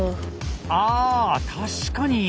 あ確かに。